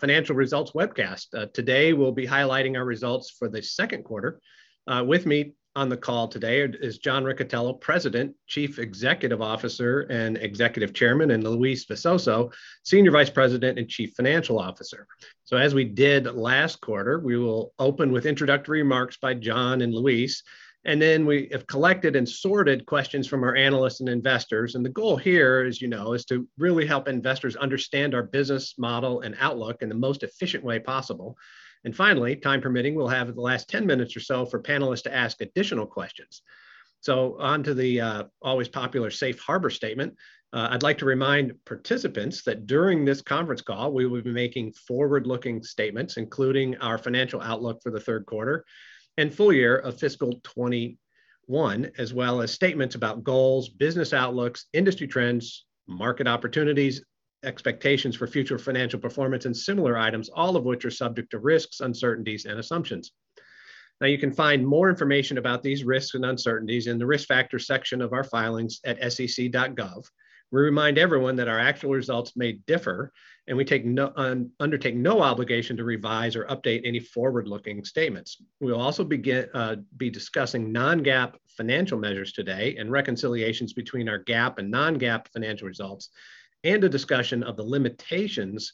Financial results webcast. Today, we'll be highlighting our results for the second quarter. With me on the call today is John Riccitiello, President, Chief Executive Officer, and Executive Chairman, and Luis Visoso, Senior Vice President and Chief Financial Officer. As we did last quarter, we will open with introductory remarks by John and Luis, and then we have collected and sorted questions from our analysts and investors. The goal here is to really help investors understand our business model and outlook in the most efficient way possible. Finally, time permitting, we'll have the last 10 minutes or so for panelists to ask additional questions. On to the always popular safe harbor statement. I'd like to remind participants that during this conference call, we will be making forward-looking statements, including our financial outlook for the third quarter and full year of fiscal 2021, as well as statements about goals, business outlooks, industry trends, market opportunities, expectations for future financial performance and similar items, all of which are subject to risks, uncertainties, and assumptions. Now you can find more information about these risks and uncertainties in the risk factor section of our filings at sec.gov. We remind everyone that our actual results may differ, and we undertake no obligation to revise or update any forward-looking statements. We'll also be discussing non-GAAP financial measures today. Reconciliations between our GAAP and non-GAAP financial results, and a discussion of the limitations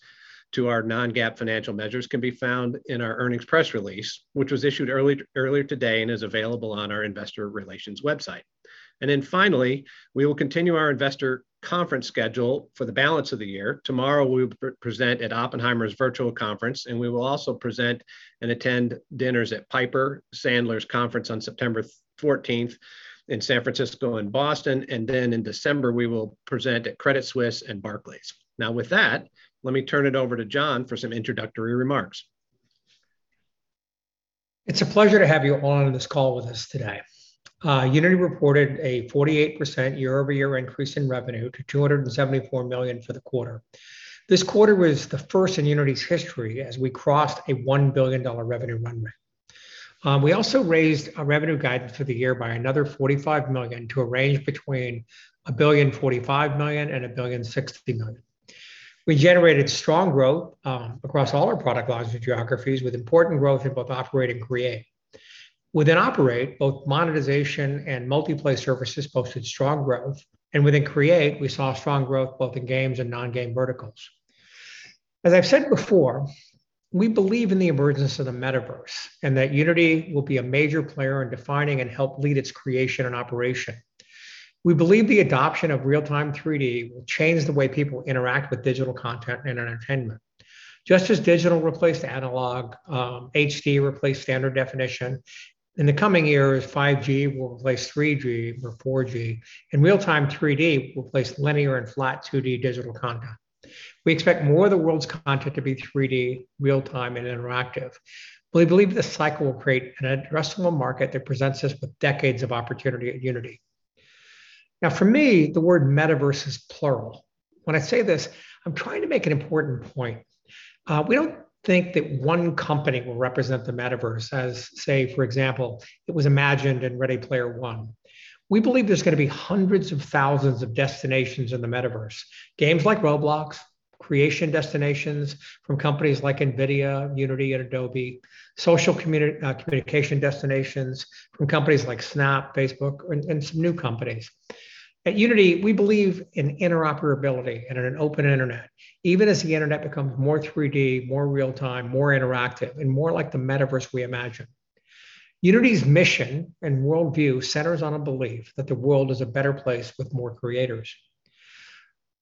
to our non-GAAP financial measures can be found in our earnings press release, which was issued earlier today and is available on our investor relations website. Finally, we will continue our investor conference schedule for the balance of the year. Tomorrow, we will present at Oppenheimer's Virtual Conference. We will also present and attend dinners at Piper Sandler's Conference on September 14th in San Francisco and Boston. In December, we will present at Credit Suisse and Barclays. With that, let me turn it over to John for some introductory remarks. It's a pleasure to have you on this call with us today. Unity reported a 48% year-over-year increase in revenue to $274 million for the quarter. This quarter was the first in Unity's history as we crossed a $1 billion revenue run rate. We also raised our revenue guidance for the year by another $45 million to a range between $1.045 billion and $1.06 billion. We generated strong growth across all our product lines and geographies, with important growth in both Operate and Create. Within Operate, both monetization and multiplayer services posted strong growth, and within Create, we saw strong growth both in games and non-game verticals. As I've said before, we believe in the emergence of the metaverse, and that Unity will be a major player in defining and help lead its creation and operation. We believe the adoption of real-time 3D will change the way people interact with digital content and entertainment. Just as digital replaced analog, HD replaced standard definition, in the coming years, 5G will replace 3G or 4G, and real-time 3D will replace linear and flat 2D digital content. We expect more of the world's content to be 3D, real-time, and interactive. We believe this cycle will create an addressable market that presents us with decades of opportunity at Unity. For me, the word metaverse is plural. When I say this, I'm trying to make an important point. We don't think that one company will represent the metaverse as, say, for example, it was imagined in "Ready Player One." We believe there's going to be hundreds of thousands of destinations in the metaverse. Games like Roblox, creation destinations from companies like NVIDIA, Unity, and Adobe, social communication destinations from companies like Snap, Facebook, and some new companies. At Unity, we believe in interoperability and in an open internet, even as the internet becomes more 3D, more real-time, more interactive, and more like the metaverse we imagine. Unity's mission and worldview centers on a belief that the world is a better place with more creators.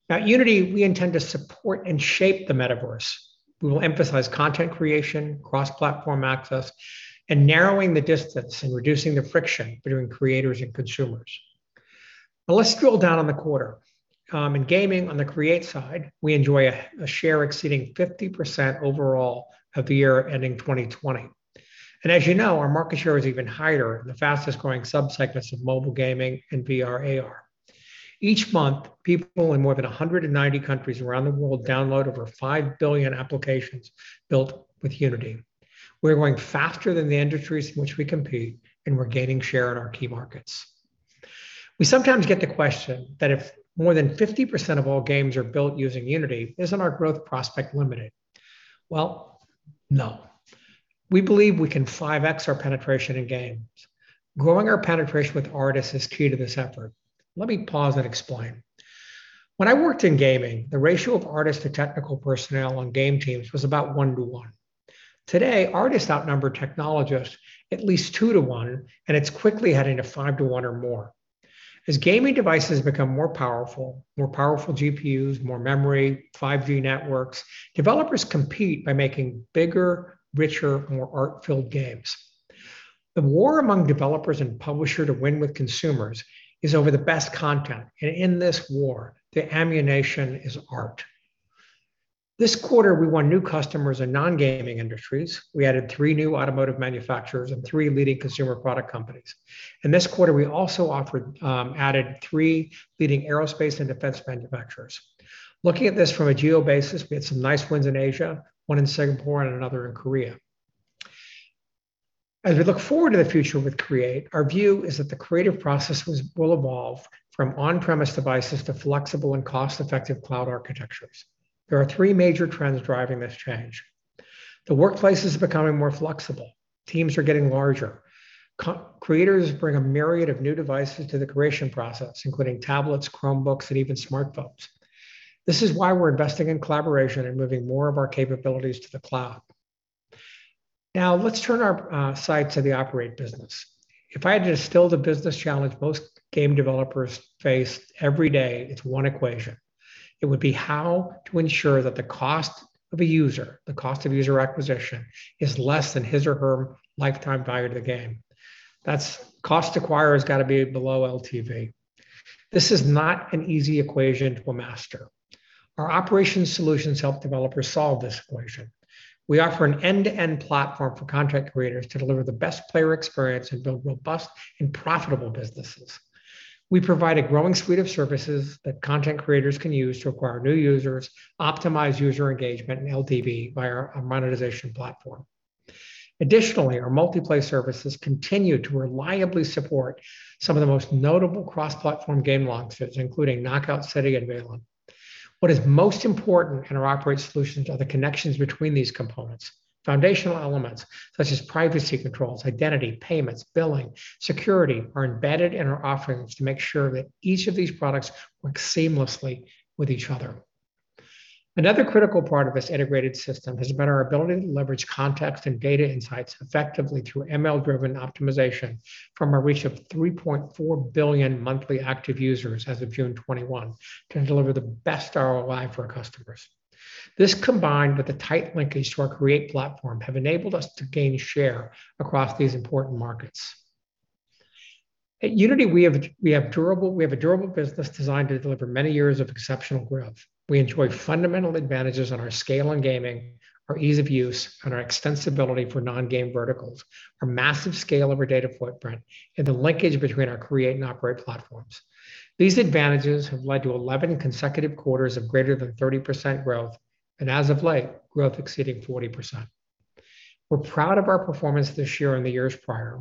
At Unity, we intend to support and shape the metaverse. We will emphasize content creation, cross-platform access, and narrowing the distance and reducing the friction between creators and consumers. Let's drill down on the quarter. In gaming, on the Create side, we enjoy a share exceeding 50% overall of the year ending 2020. As you know, our market share is even higher in the fastest-growing subsegments of mobile gaming and VR/AR. Each month, people in more than 190 countries around the world download over 5 billion applications built with Unity. We're growing faster than the industries in which we compete, and we're gaining share in our key markets. We sometimes get the question that if more than 50% of all games are built using Unity, isn't our growth prospect limited? Well, no. We believe we can 5x our penetration in games. Growing our penetration with artists is key to this effort. Let me pause and explain. When I worked in gaming, the ratio of artists to technical personnel on game teams was about 1:1. Today, artists outnumber technologists at least 2:1, and it's quickly heading to 5:1 or more. As gaming devices become more powerful, more powerful GPUs, more memory, 5G networks, developers compete by making bigger, richer, more art-filled games. The war among developers and publisher to win with consumers is over the best content. In this war, the ammunition is art. This quarter, we won new customers in non-gaming industries. We added three new automotive manufacturers and three leading consumer product companies. In this quarter, we also added three leading aerospace and defense manufacturers. Looking at this from a geo basis, we had some nice wins in Asia, one in Singapore and another in Korea. As we look forward to the future with Create, our view is that the creative processes will evolve from on-premise devices to flexible and cost-effective cloud architectures. There are three major trends driving this change. The workplace is becoming more flexible. Teams are getting larger. Creators bring a myriad of new devices to the creation process, including tablets, Chromebooks, and even smartphones. This is why we're investing in collaboration and moving more of our capabilities to the cloud. Let's turn our sight to the Operate business. If I had to distill the business challenge most game developers face every day, it's one equation. It would be how to ensure that the cost of a user, the cost of user acquisition, is less than his or her lifetime value to the game. That cost to acquire has got to be below LTV. This is not an easy equation to master. Our Operate Solutions help developers solve this equation. We offer an end-to-end platform for content creators to deliver the best player experience and build robust and profitable businesses. We provide a growing suite of services that content creators can use to acquire new users, optimize user engagement and LTV via our monetization platform. Additionally, our, multiplay services continue to reliably support some of the most notable cross-platform game launches, including Knockout City by Velan. What is most important in our Operate Solutions are the connections between these components. Foundational elements such as privacy controls, identity, payments, billing, security, are embedded in our offerings to make sure that each of these products work seamlessly with each other. Another critical part of this integrated system has been our ability to leverage context and data insights effectively through ML-driven optimization from our reach of 3.4 billion monthly active users as of June 2021, to deliver the best ROI for our customers. This, combined with the tight linkage to our Create platform, have enabled us to gain share across these important markets. At Unity, we have a durable business designed to deliver many years of exceptional growth. We enjoy fundamental advantages on our scale in gaming, our ease of use, and our extensibility for non-game verticals, our massive scale of our data footprint, and the linkage between our Create and Operate platforms. These advantages have led to 11 consecutive quarters of greater than 30% growth, and as of late, growth exceeding 40%. We're proud of our performance this year and the years prior,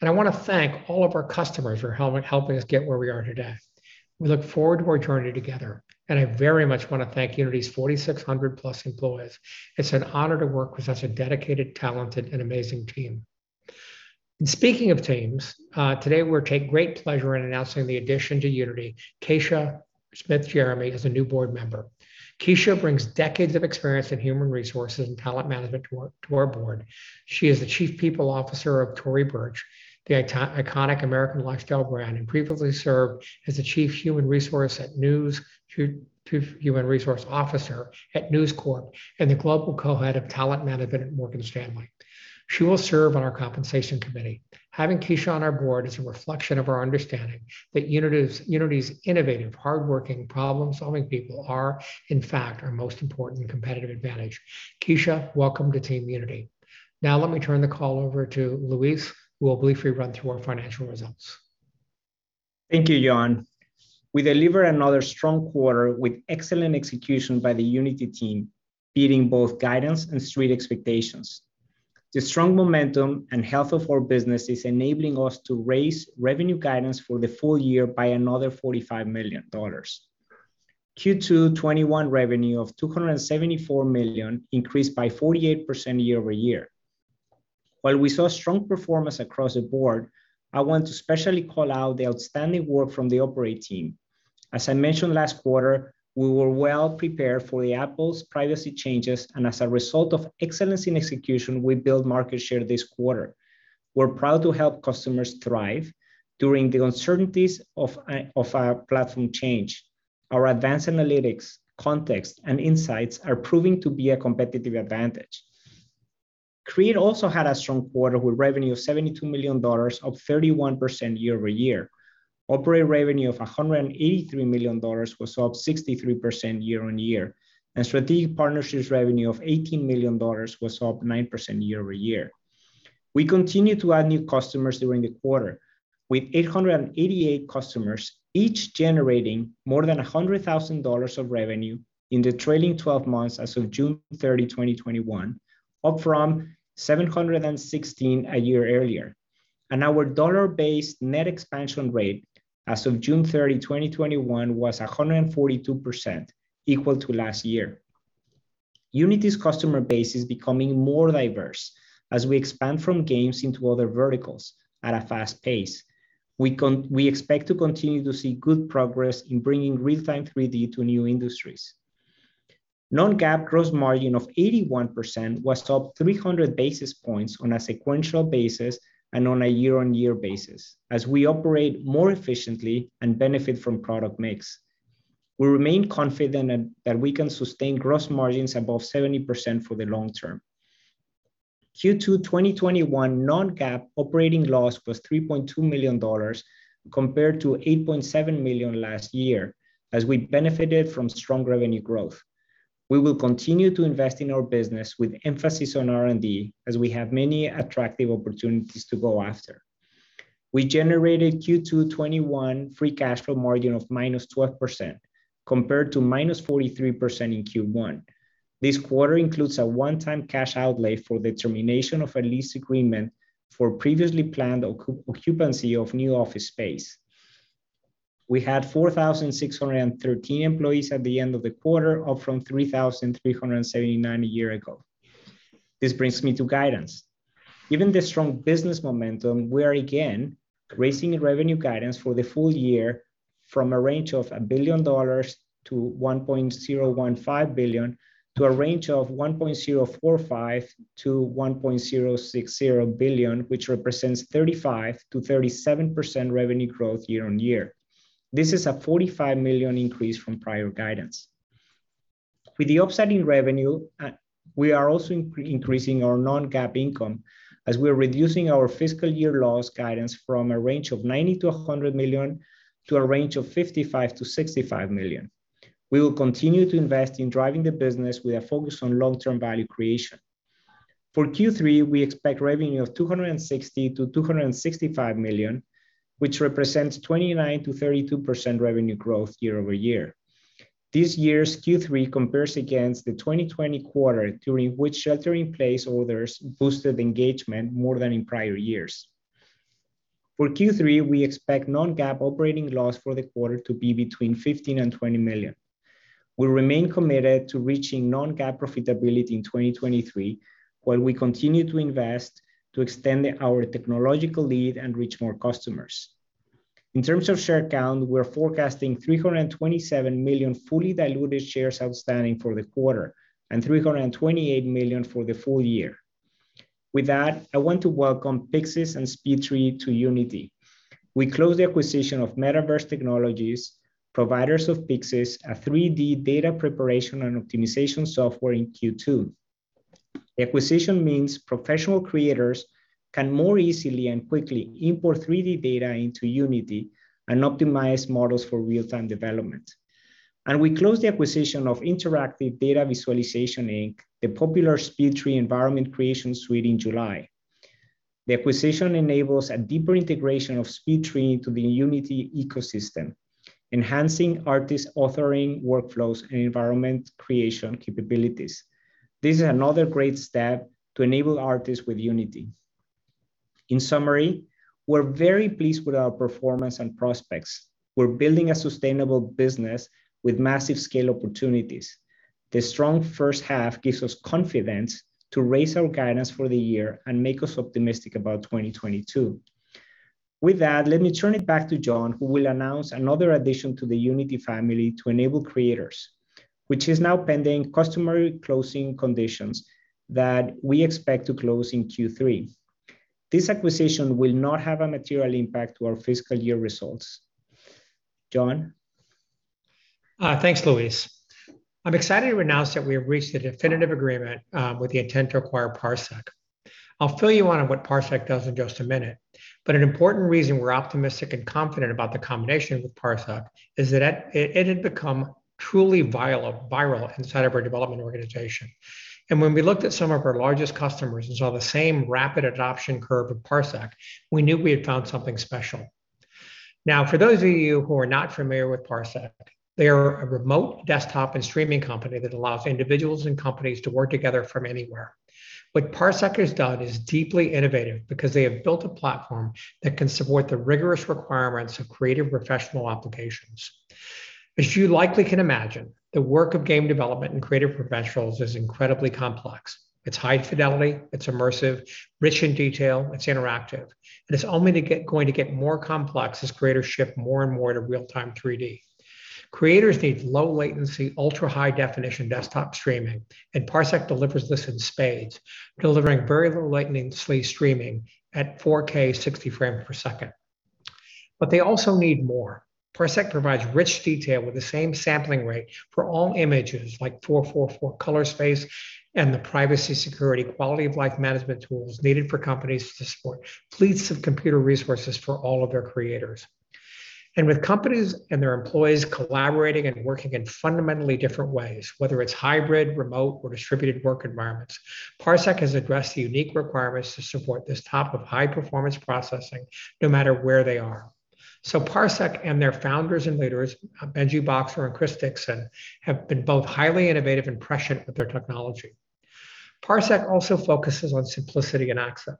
and I want to thank all of our customers for helping us get where we are today. We look forward to our journey together, and I very much want to thank Unity's 4,600+ employees. It's an honor to work with such a dedicated, talented, and amazing team. Speaking of teams, today we take great pleasure in announcing the addition to Unity Keisha Smith-Jeremie as a new Board Member. Keisha brings decades of experience in human resources and talent management to our Board. She is the Chief People Officer of Tory Burch, the iconic American lifestyle brand, and previously served as the Chief Human Resource Officer at News Corp, and the Global Co-Head of Talent Management at Morgan Stanley. She will serve on our Compensation Committee. Having Keisha on our board is a reflection of our understanding that Unity's innovative, hardworking, problem-solving people are, in fact, our most important competitive advantage. Keisha, welcome to Team Unity. Let me turn the call over to Luis, who will briefly run through our financial results. Thank you, John. We delivered another strong quarter with excellent execution by the Unity team, beating both guidance and street expectations. The strong momentum and health of our business is enabling us to raise revenue guidance for the full year by another $45 million. Q2 2021 revenue of $274 million increased by 48% year-over-year. While we saw strong performance across the board, I want to specially call out the outstanding work from the Operate team. As I mentioned last quarter, we were well-prepared for the Apple's privacy changes, and as a result of excellence in execution, we built market share this quarter. We're proud to help customers thrive during the uncertainties of our platform change. Our advanced analytics, context, and insights are proving to be a competitive advantage. Create also had a strong quarter, with revenue of $72 million, up 31% year-over-year. Operate revenue of $183 million was up 63% year-on-year, and strategic partnerships revenue of $18 million was up 9% year-over-year. We continue to add new customers during the quarter, with 888 customers, each generating more than $100,000 of revenue in the trailing 12 months as of June 30, 2021, up from 716 a year earlier. Our dollar-based net expansion rate as of June 30, 2021, was 142%, equal to last year. Unity's customer base is becoming more diverse as we expand from games into other verticals at a fast pace. We expect to continue to see good progress in bringing real-time 3D to new industries. Non-GAAP gross margin of 81% was up 300 basis points on a sequential basis and on a year-on-year basis, as we operate more efficiently and benefit from product mix. We remain confident that we can sustain gross margins above 70% for the long term. Q2 2021 non-GAAP operating loss was $3.2 million compared to $8.7 million last year, as we benefited from strong revenue growth. We will continue to invest in our business, with emphasis on R&D, as we have many attractive opportunities to go after. We generated Q2 2021 free cash flow margin of -12%. Compared to -43% in Q1. This quarter includes a one-time cash outlay for the termination of a lease agreement for previously planned occupancy of new office space. We had 4,613 employees at the end of the quarter, up from 3,379 a year ago. This brings me to guidance. Given the strong business momentum, we are again raising revenue guidance for the full year from a range of $1 billion-$1.015 billion, to a range of $1.045 billion-$1.060 billion, which represents 35%-37% revenue growth year-on-year. This is a $45 million increase from prior guidance. With the upside in revenue, we are also increasing our non-GAAP income as we're reducing our fiscal year loss guidance from a range of $90 million-$100 million to a range of $55 million-$65 million. We will continue to invest in driving the business with a focus on long-term value creation. For Q3, we expect revenue of $260 million-$265 million, which represents 29%-32% revenue growth year-over-year. This year's Q3 compares against the 2020 quarter, during which shelter-in-place orders boosted engagement more than in prior years. For Q3, we expect non-GAAP operating loss for the quarter to be between $15 million and $20 million. We remain committed to reaching non-GAAP profitability in 2023, while we continue to invest to extend our technological lead and reach more customers. In terms of share count, we're forecasting 327 million fully diluted shares outstanding for the quarter, and 328 million for the full year. With that, I want to welcome Pixyz and SpeedTree to Unity. We closed the acquisition of Metaverse Technologies, providers of Pixyz, a 3D data preparation and optimization software, in Q2. The acquisition means professional creators can more easily and quickly import 3D data into Unity and optimize models for real-time development. We closed the acquisition of Interactive Data Visualization, Inc., the popular SpeedTree environment creation suite, in July. The acquisition enables a deeper integration of SpeedTree into the Unity ecosystem, enhancing artist authoring workflows and environment creation capabilities. This is another great step to enable artists with Unity. In summary, we are very pleased with our performance and prospects. We are building a sustainable business with massive scale opportunities. The strong first half gives us confidence to raise our guidance for the year and make us optimistic about 2022. With that, let me turn it back to John, who will announce another addition to the Unity family to enable creators, which is now pending customary closing conditions that we expect to close in Q3. This acquisition will not have a material impact to our fiscal year results. John? Thanks, Luis. I'm excited to announce that we have reached a definitive agreement with the intent to acquire Parsec. I'll fill you in on what Parsec does in just a minute, but an important reason we're optimistic and confident about the combination with Parsec is that it had become truly viral inside of our development organization. When we looked at some of our largest customers and saw the same rapid adoption curve of Parsec, we knew we had found something special. For those of you who are not familiar with Parsec, they are a remote desktop and streaming company that allows individuals and companies to work together from anywhere. What Parsec has done is deeply innovative because they have built a platform that can support the rigorous requirements of creative professional applications. As you likely can imagine, the work of game development and creative professionals is incredibly complex. It's high fidelity, it's immersive, rich in detail, it's interactive, it's only going to get more complex as creators shift more and more to real-time 3D. Creators need low latency, ultra-high-definition desktop streaming, Parsec delivers this in spades, delivering very low latency streaming at 4K 60 frames per second. They also need more. Parsec provides rich detail with the same sampling rate for all images, like 4:4:4 color space and the privacy, security, quality-of-life management tools needed for companies to support fleets of computer resources for all of their creators. With companies and their employees collaborating and working in fundamentally different ways, whether it's hybrid, remote, or distributed work environments, Parsec has addressed the unique requirements to support this type of high-performance processing no matter where they are. Parsec and their founders and leaders, Benjy Boxer and Chris Dickson, have been both highly innovative and prescient with their techn ology. Parsec also focuses on simplicity and access.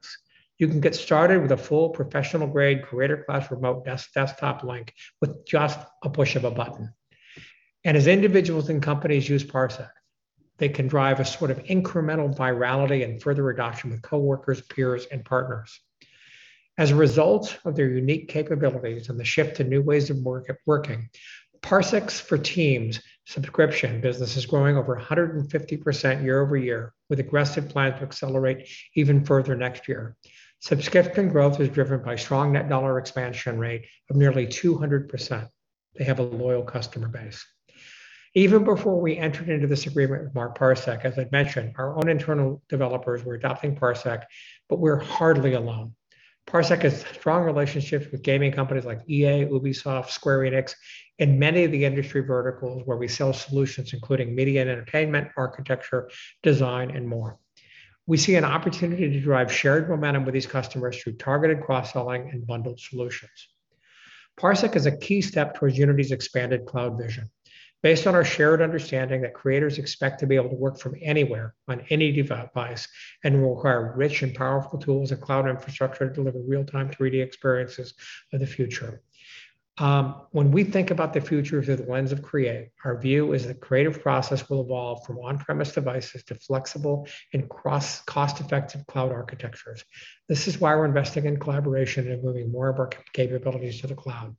You can get started with a full professional-grade creator class remote desktop link with just a push of a button. As individuals and companies use Parsec, they can drive a sort of incremental virality and further adoption with coworkers, peers, and partners. As a result of their unique capabilities and the shift to new ways of working, Parsec's Parsec for Teams subscription business is growing over 150% year-over-year, with aggressive plans to accelerate even further next year. Subscription growth is driven by strong net dollar expansion rate of nearly 200%. They have a loyal customer base. Even before we entered into this agreement with Parsec, as I mentioned, our own internal developers were adopting Parsec, but we are hardly alone. Parsec has strong relationships with gaming companies like EA, Ubisoft, Square Enix, and many of the industry verticals where we sell solutions, including media and entertainment, architecture, design, and more. We see an opportunity to drive shared momentum with these customers through targeted cross-selling and bundled solutions. Parsec is a key step towards Unity's expanded cloud vision. Based on our shared understanding that creators expect to be able to work from anywhere on any device, and will require rich and powerful tools and cloud infrastructure to deliver real-time 3D experiences of the future. When we think about the future through the lens of create, our view is that creative process will evolve from on-premise devices to flexible and cost-effective cloud architectures. This is why we're investing in collaboration and moving more of our capabilities to the cloud.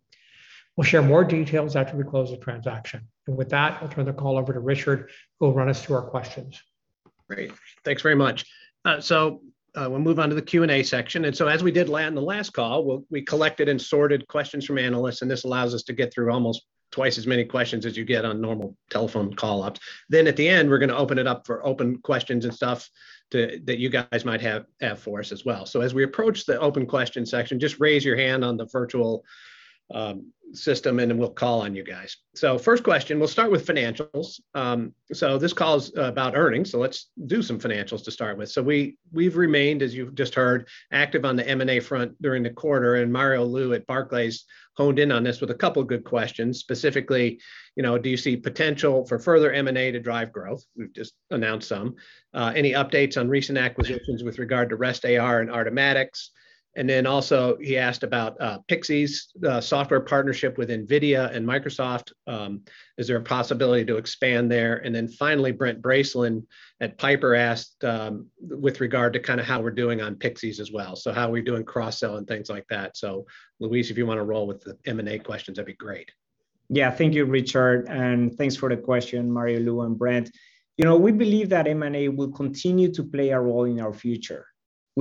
We'll share more details after we close the transaction. With that, I'll turn the call over to Richard, who will run us through our questions. Great. Thanks very much. We'll move on to the Q&A section. As we did late in the last call, we collected and sorted questions from analysts, and this allows us to get through almost twice as many questions as you get on normal telephone call ups. At the end, we're going to open it up for open questions and stuff that you guys might have for us as well. As we approach the open question section, just raise your hand on the virtual system and then we'll call on you guys. First question, we'll start with financials. This call is about earnings, so let's do some financials to start with. We've remained, as you've just heard, active on the M&A front during the quarter, and Mario Lu at Barclays honed in on this with a couple good questions, specifically, do you see potential for further M&A to drive growth? We've just announced some. Any updates on recent acquisitions with regard to RestAR and Artomatix. Also he asked about Pixyz the software partnership with NVIDIA and Microsoft. Is there a possibility to expand there? Finally, Brent Bracelin at Piper asked with regard to how we're doing on Pixyz as well. How are we doing cross-sell and things like that. Luis, if you want to roll with the M&A questions, that'd be great. Yeah, thank you, Richard, and thanks for the question, Mario Lu and Brent. We believe that M&A will continue to play a role in our future.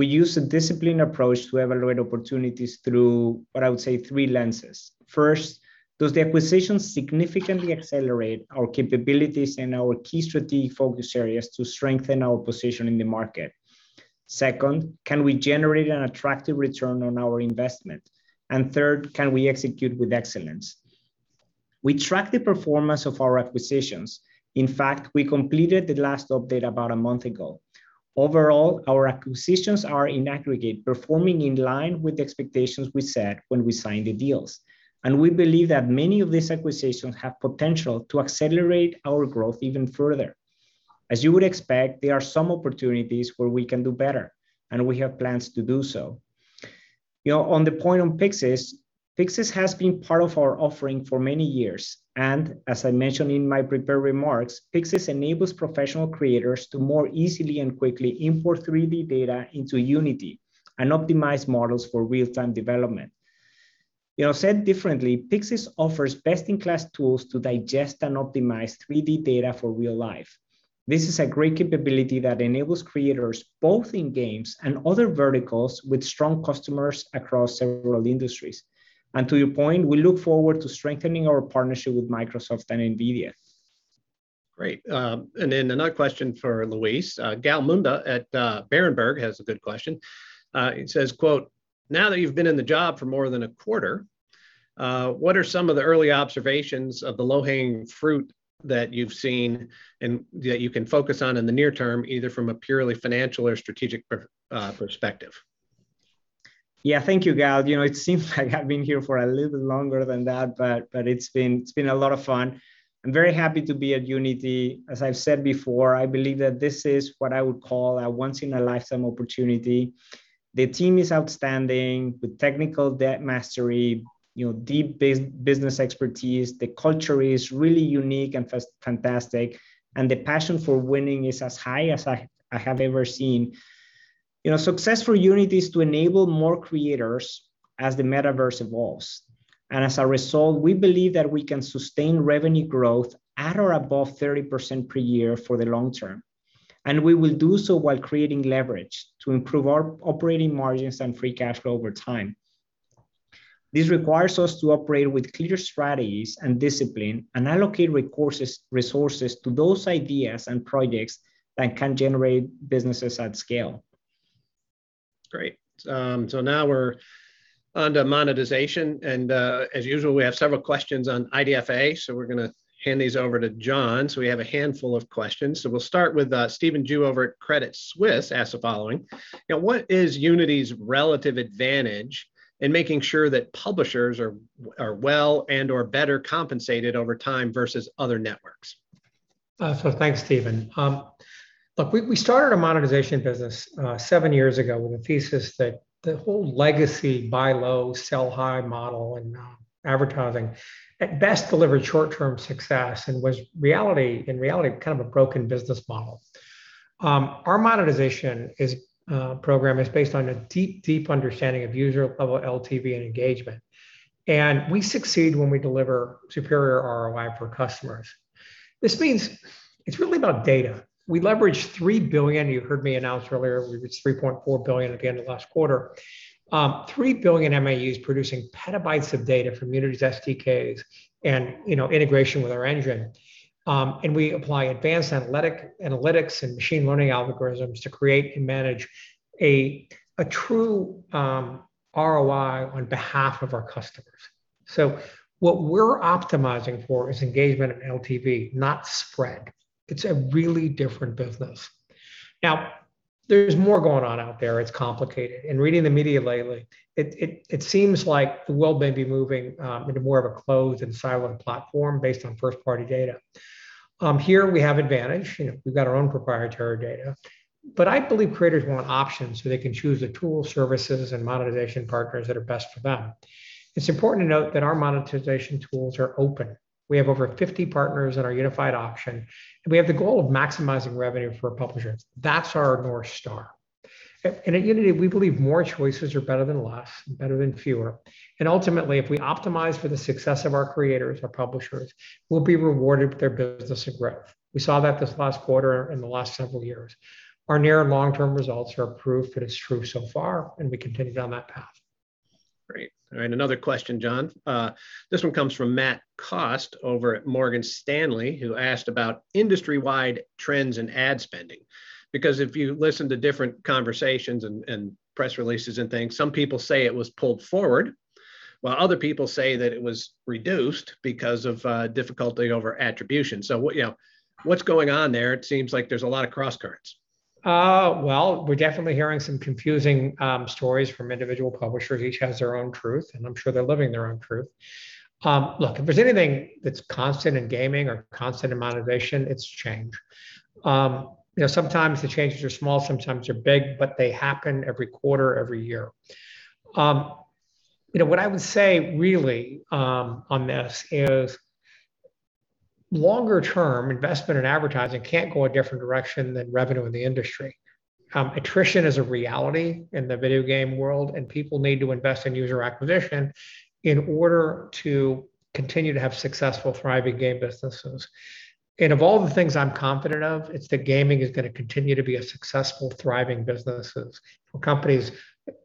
We use a disciplined approach to evaluate opportunities through what I would say three lenses. First, does the acquisition significantly accelerate our capabilities and our key strategy focus areas to strengthen our position in the market? Second, can we generate an attractive return on our investment? Third, can we execute with excellence? We track the performance of our acquisitions. In fact, we completed the last update about a month ago. Overall, our acquisitions are in aggregate, performing in line with the expectations we set when we signed the deals. We believe that many of these acquisitions have potential to accelerate our growth even further. As you would expect, there are some opportunities where we can do better, and we have plans to do so. On the point on Pixyz has been part of our offering for many years. As I mentioned in my prepared remarks, Pixyz enables professional creators to more easily and quickly import 3D data into Unity and optimize models for real-time development. Said differently, Pixyz offers best-in-class tools to digest and optimize 3D data for real life. This is a great capability that enables creators, both in games and other verticals with strong customers across several industries. To your point, we look forward to strengthening our partnership with Microsoft and NVIDIA. Great. Another question for Luis. Gal Munda at Berenberg has a good question. It says, quote, "Now that you've been in the job for more than a quarter, what are some of the early observations of the low-hanging fruit that you've seen and that you can focus on in the near term, either from a purely financial or strategic perspective? Yeah, thank you, Gal. It seems like I've been here for a little bit longer than that, but it's been a lot of fun. I'm very happy to be at Unity. As I've said before, I believe that this is what I would call a once in a lifetime opportunity. The team is outstanding with technical depth mastery, deep business expertise. The culture is really unique and fantastic. The passion for winning is as high as I have ever seen. Success for Unity is to enable more creators as the metaverse evolves. As a result, we believe that we can sustain revenue growth at or above 30% per year for the long term. We will do so while creating leverage to improve our operating margins and free cash flow over time. This requires us to operate with clear strategies and discipline and allocate resources to those ideas and projects that can generate businesses at scale. Great. Now we're onto monetization, and, as usual, we have several questions on IDFA, so we're going to hand these over to John. We have a handful of questions. We'll start with Stephen Ju over at Credit Suisse asked the following. What is Unity's relative advantage in making sure that publishers are well and/or better compensated over time versus other networks? Thanks, Stephen. We started a monetization business seven years ago with a thesis that the whole legacy buy low, sell high model in advertising at best delivered short-term success and was in reality kind of a broken business model. Our monetization program is based on a deep understanding of user-level LTV and engagement. We succeed when we deliver superior ROI for customers. This means it's really about data. We leverage 3 billion, you heard me announce earlier, we reached 3.4 billion again in the last quarter. 3 billion MAUs producing petabytes of data from Unity's SDKs and integration with our engine. We apply advanced analytics and machine learning algorithms to create and manage a true ROI on behalf of our customers. What we're optimizing for is engagement and LTV, not spread. It's a really different business. There's more going on out there. It's complicated. In reading the media lately, it seems like the world may be moving into more of a closed and siloed platform based on first-party data. Here, we have advantage. We've got our own proprietary data. I believe creators want options so they can choose the tools, services, and monetization partners that are best for them. It's important to note that our monetization tools are open. We have over 50 partners in our Unified Auction, and we have the goal of maximizing revenue for publishers. That's our North Star. At Unity, we believe more choices are better than less and better than fewer, and ultimately, if we optimize for the success of our creators, our publishers, we'll be rewarded with their business and growth. We saw that this last quarter and the last several years. Our near and long-term results are proof that it's true so far. We continue down that path. Great. All right, another question, John. This one comes from Matt Cost over at Morgan Stanley, who asked about industry-wide trends in ad spending. If you listen to different conversations and press releases and things, some people say it was pulled forward, while other people say that it was reduced because of difficulty over attribution. What's going on there? It seems like there's a lot of crosscurrents. Well, we're definitely hearing some confusing stories from individual publishers. Each has their own truth, and I'm sure they're living their own truth. Look, if there's anything that's constant in gaming or constant in monetization, it's change. Sometimes the changes are small, sometimes they're big, but they happen every quarter, every year. What I would say, really, on this is longer-term investment in advertising can't go a different direction than revenue in the industry. Attrition is a reality in the video game world, and people need to invest in user acquisition in order to continue to have successful, thriving game businesses. Of all the things I'm confident of, it's that gaming is going to continue to be a successful, thriving business for companies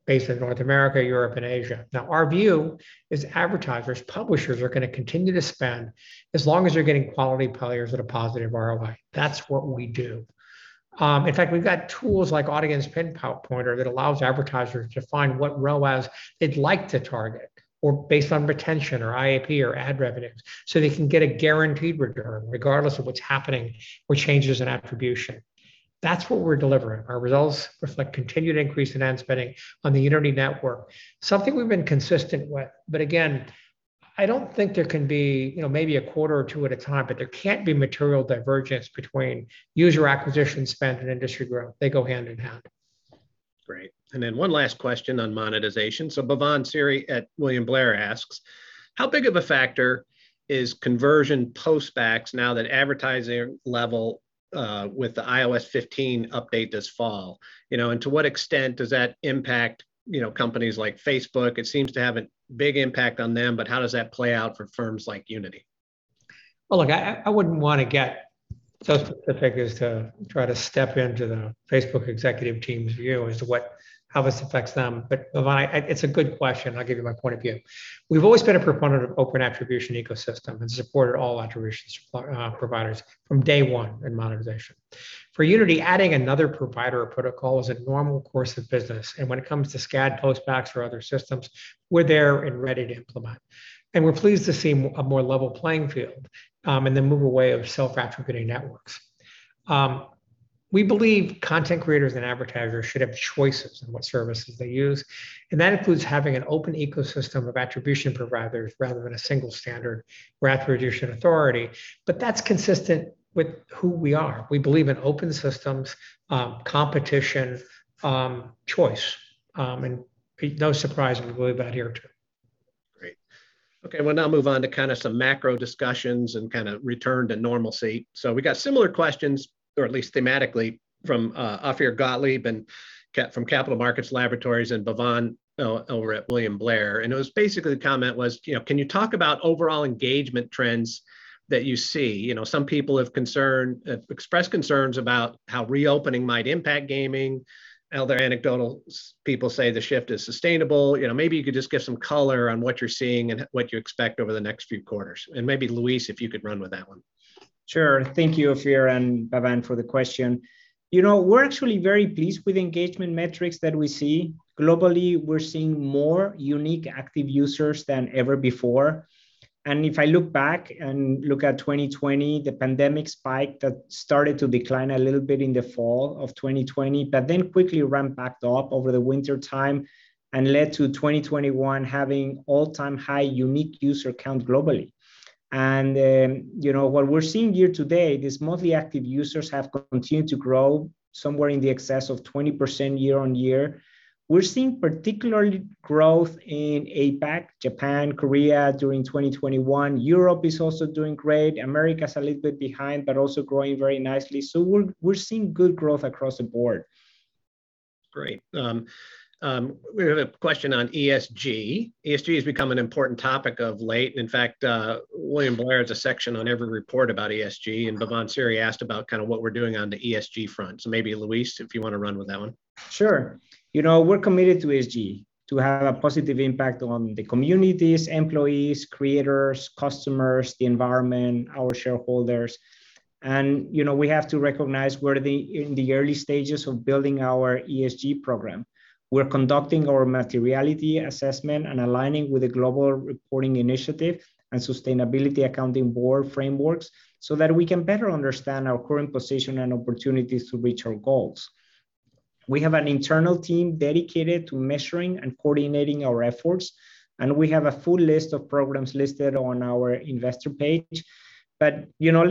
based in North America, Europe, and Asia. Our view is advertisers, publishers are going to continue to spend as long as they're getting quality players at a positive ROI. That's what we do. In fact, we've got tools like Audience Pinpointer that allows advertisers to find what ROAS they'd like to target, or based on retention or IP or ad revenues, so they can get a guaranteed return regardless of what's happening with changes in attribution. That's what we're delivering. Our results reflect continued increase in ad spending on the Unity network, something we've been consistent with. Again, I don't think there can be, maybe a quarter or two at a time, but there can't be material divergence between user acquisition spend and industry growth. They go hand-in-hand. Great. One last question on monetization. Bhavan Suri at William Blair asks, how big of a factor is conversion postbacks now that advertising level with the iOS 15 update this fall? To what extent does that impact companies like Facebook? It seems to have a big impact on them, how does that play out for firms like Unity? Well, look, I wouldn't want to get so specific as to try to step into the Facebook executive team's view as to how this affects them. Bhavan, it's a good question. I'll give you my point of view. We've always been a proponent of open attribution ecosystem and supported all attribution providers from day one in monetization. For Unity, adding another provider or protocol is a normal course of business, and when it comes to SKAd postbacks for other systems, we're there and ready to implement. We're pleased to see a more level playing field, and the move away of self-attributing networks. We believe content creators and advertisers should have choices in what services they use, and that includes having an open ecosystem of attribution providers rather than a single standard attribution authority. That's consistent with who we are. We believe in open systems, competition, choice, and no surprise we believe that here, too. We'll now move on to some macro discussions and return to normalcy. We got similar questions, or at least thematically, from Ophir Gottlieb from Capital Market Laboratories and Bhavan over at William Blair, and it was basically the comment was, can you talk about overall engagement trends that you see? Some people have expressed concerns about how reopening might impact gaming. Other anecdotal people say the shift is sustainable. Maybe you could just give some color on what you're seeing and what you expect over the next few quarters. Maybe Luis, if you could run with that one. Sure. Thank you, Ophir and Bhavan for the question. We're actually very pleased with engagement metrics that we see. Globally, we're seeing more unique active users than ever before. If I look back and look at 2020, the pandemic spike that started to decline a little bit in the fall of 2020, but then quickly ramped back up over the wintertime and led to 2021 having all-time high unique user count globally. What we're seeing here today is monthly active users have continued to grow somewhere in the excess of 20% year-on-year. We're seeing particularly growth in APAC, Japan, Korea during 2021. Europe is also doing great. America is a little bit behind, but also growing very nicely. We're seeing good growth across the board. Great. We have a question on ESG. ESG has become an important topic of late. In fact, William Blair has a section on every report about ESG. Bhavan Suri asked about what we're doing on the ESG front. Maybe Luis, if you want to run with that one. Sure. We're committed to ESG, to have a positive impact on the communities, employees, creators, customers, the environment, our shareholders. We have to recognize we're in the early stages of building our ESG program. We're conducting our materiality assessment and aligning with the Global Reporting Initiative and Sustainability Accounting Standards Board frameworks so that we can better understand our current position and opportunities to reach our goals. We have an internal team dedicated to measuring and coordinating our efforts, and we have a full list of programs listed on our investor page. Let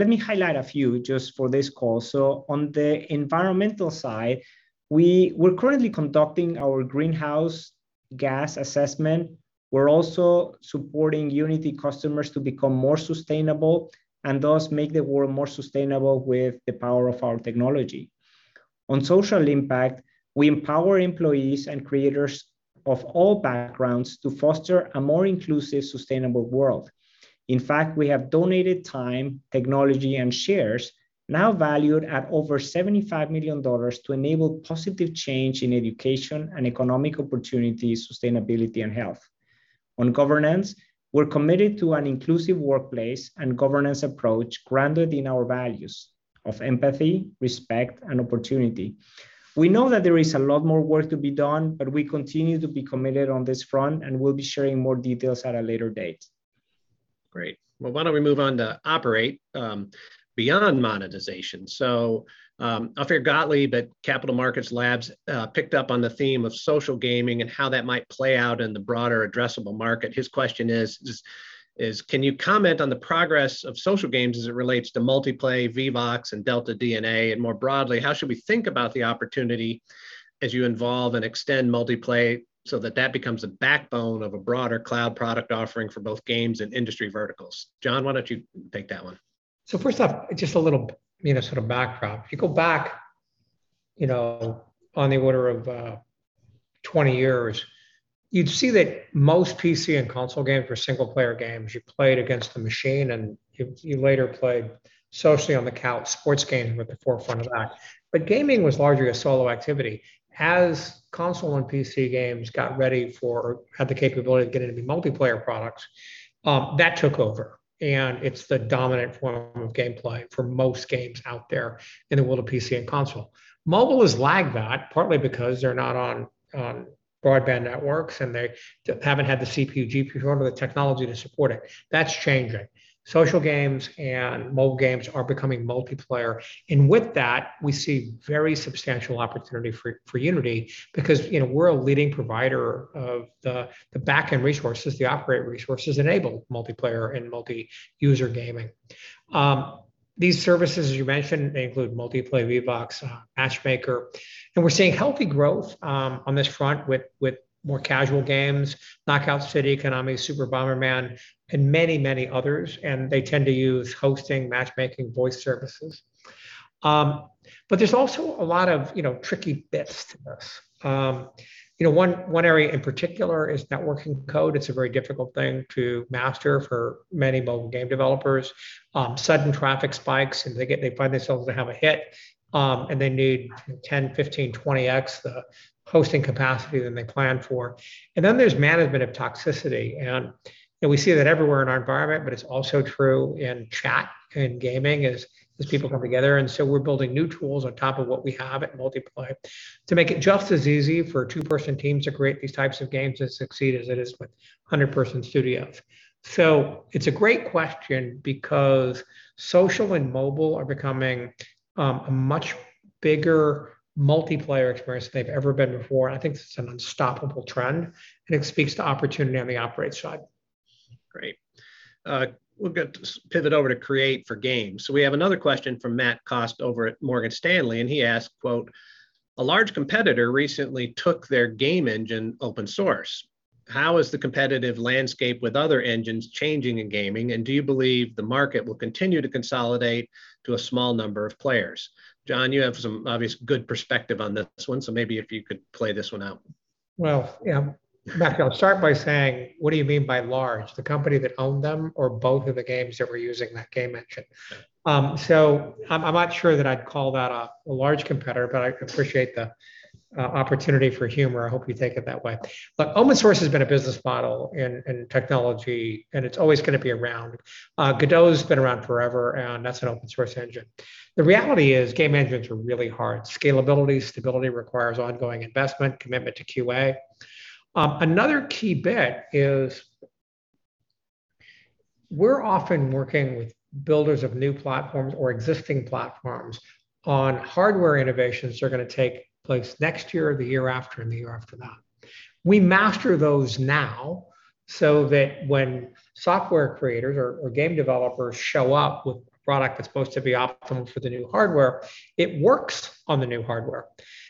me highlight a few just for this call. On the environmental side, we're currently conducting our greenhouse gas assessment. We're also supporting Unity customers to become more sustainable, and thus make the world more sustainable with the power of our technology. On social impact, we empower employees and creators of all backgrounds to foster a more inclusive, sustainable world. In fact, we have donated time, technology, and shares, now valued at over $75 million, to enable positive change in education and economic opportunity, sustainability, and health. On governance, we're committed to an inclusive workplace and governance approach grounded in our values of empathy, respect, and opportunity. We know that there is a lot more work to be done, but we continue to be committed on this front, and we'll be sharing more details at a later date. Great. Well, why don't we move on to operate beyond monetization. Ophir Gottlieb at Capital Market Laboratories picked up on the theme of social gaming and how that might play out in the broader addressable market. His question is just, can you comment on the progress of social games as it relates to Multiplay, Vivox, and deltaDNA, and more broadly, how should we think about the opportunity as you involve and extend Multiplay so that that becomes a backbone of a broader cloud product offering for both games and industry verticals? John, why don't you take that one? First off, just a little sort of backdrop. If you go back on the order of 20 years, you'd see that most PC and console games were single-player games. You played against the machine, and you later played socially on the couch sports games were at the forefront of that. Gaming was largely a solo activity. As console and PC games got ready for, or had the capability to get into multiplayer products, that took over, and it's the dominant form of gameplay for most games out there in the world of PC and console. Mobile has lagged that, partly because they're not on broadband networks, and they haven't had the CPG, or the technology to support it. That's changing. Social games and mobile games are becoming multiplayer. With that, we see very substantial opportunity for Unity because we're a leading provider of the back-end resources, the Operate Solutions enable multiplayer and multi-user gaming. These services, as you mentioned, they include Multiplay, Vivox, Matchmaker, and we're seeing healthy growth on this front with more casual games, Knockout City, Konami, Super Bomberman, and many others. They tend to use hosting, matchmaking, voice services. There's also a lot of tricky bits to this. One area in particular is networking code. It's a very difficult thing to master for many mobile game developers. Sudden traffic spikes, and they find themselves to have a hit, and they need 10, 15, 20x the hosting capacity than they planned for. There's management of toxicity. We see that everywhere in our environment, but it's also true in chat, in gaming as people come together. We're building new tools on top of what we have at Multiplay to make it just as easy for a two-person team to create these types of games and succeed as it is with 100-person studios. It's a great question because social and mobile are becoming a much bigger multiplayer experience than they've ever been before. I think this is an unstoppable trend, and it speaks to opportunity on the operate side. Great. We'll pivot over to create for games. We have another question from Matt Cost over at Morgan Stanley, and he asked, quote, "A large competitor recently took their game engine open source. How is the competitive landscape with other engines changing in gaming, and do you believe the market will continue to consolidate to a small number of players?" John, you have some obvious good perspective on this one, so maybe if you could play this one out. Well, yeah. Matt, I'll start by saying, what do you mean by large? The company that owned them or both of the games that were using that game engine? I'm not sure that I'd call that a large competitor. I appreciate the opportunity for humor. I hope you take it that way. Open source has been a business model in technology, and it's always going to be around. Godot's been around forever, and that's an open-source engine. The reality is game engines are really hard. Scalability, stability requires ongoing investment, commitment to QA. Another key bit is we're often working with builders of new platforms or existing platforms on hardware innovations that are going to take place next year or the year after and the year after that. We master those now so that when software creators or game developers show up with a product that's supposed to be optimal for the new hardware, it works on the new hardware.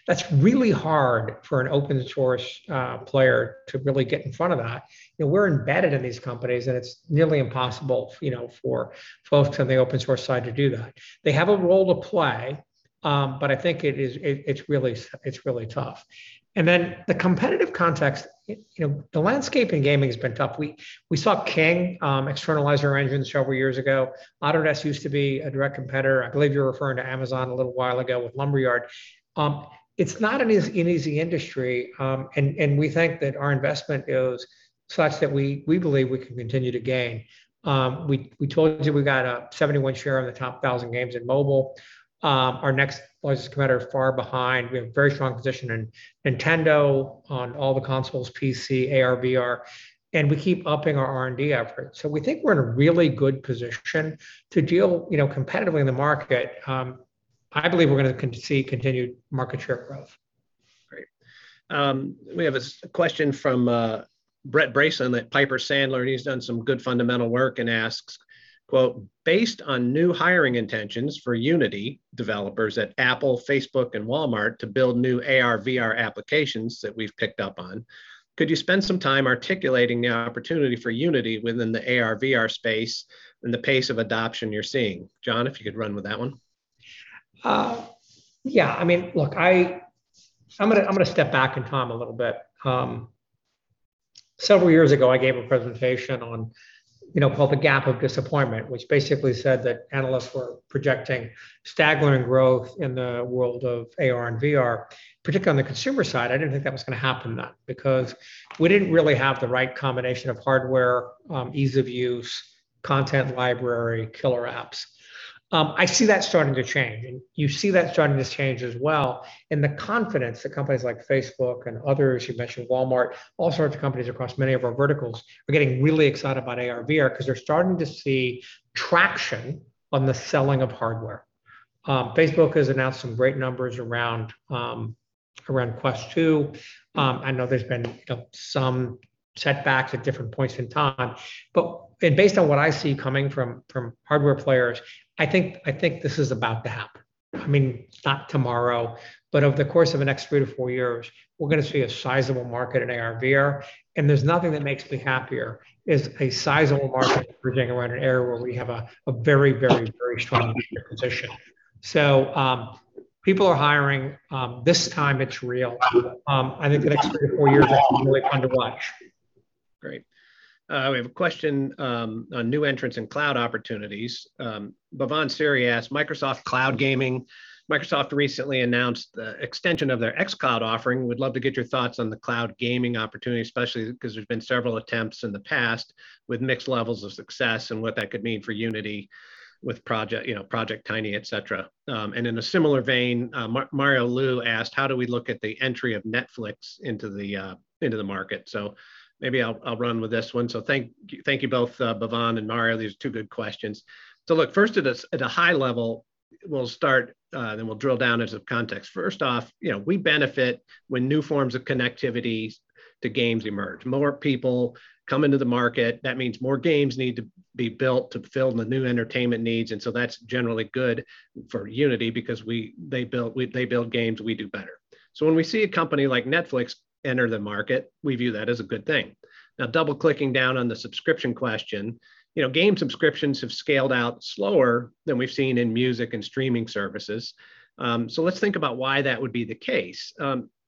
That's really hard for an open-source player to really get in front of that. We're embedded in these companies, and it's nearly impossible for folks on the open-source side to do that. They have a role to play, but I think it's really tough. The competitive context, the landscape in gaming has been tough. We saw King externalize their engines several years ago. Autodesk used to be a direct competitor. I believe you were referring to Amazon a little while ago with Lumberyard. It's not an easy industry. We think that our investment is such that we believe we can continue to gain. We told you we got a 71% share of the top 1,000 games in mobile. Our next closest competitor is far behind. We have a very strong position in Nintendo on all the consoles, PC, AR, VR, and we keep upping our R&D efforts. We think we're in a really good position to deal competitively in the market. I believe we're going to see continued market share growth. We have a question from Brent Bracelin at Piper Sandler, and he's done some good fundamental work and asks, "Based on new hiring intentions for Unity developers at Apple, Facebook, and Walmart to build new AR/VR applications that we've picked up on, could you spend some time articulating the opportunity for Unity within the AR/VR space and the pace of adoption you're seeing?" John, if you could run with that one. Yeah. I am going to step back in time a little bit. Several years ago, I gave a presentation called The Gap of Disappointment, which basically said that analysts were projecting staggering growth in the world of AR and VR, particularly on the consumer side. I did not think that was going to happen then because we did not really have the right combination of hardware, ease of use, content library, killer apps. I see that starting to change, and you see that starting to change as well in the confidence that companies like Facebook and others, you mentioned Walmart, all sorts of companies across many of our verticals are getting really excited about AR/VR because they are starting to see traction on the selling of hardware. Facebook has announced some great numbers around Quest 2. I know there has been some setbacks at different points in time. Based on what I see coming from hardware players, I think this is about to happen. It's not tomorrow, but over the course of the next three to four years, we're going to see a sizable market in AR and VR. There's nothing that makes me happier is a sizable market around an area where we have a very strong position. People are hiring. This time it's real. I think the next three to four years is going to be really fun to watch. Great. We have a question on new entrants and cloud opportunities. Bhavan Suri asked, "Microsoft Cloud Gaming. Microsoft recently announced the extension of their xCloud offering. We'd love to get your thoughts on the cloud gaming opportunity, especially because there's been several attempts in the past with mixed levels of success and what that could mean for Unity with Project Tiny, et cetera." In a similar vein, Mario Lu asked, "How do we look at the entry of Netflix into the market?" Maybe I'll run with this one. Thank you both, Bhavan and Mario. These are two good questions. Look, first at a high level, we'll start, then we'll drill down into context. First off, we benefit when new forms of connectivity to games emerge. More people come into the market. That means more games need to be built to fill the new entertainment needs, that's generally good for Unity because they build games, we do better. When we see a company like Netflix enter the market, we view that as a good thing. Double-clicking down on the subscription question. Game subscriptions have scaled out slower than we've seen in music and streaming services. Let's think about why that would be the case.